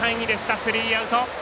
スリーアウト。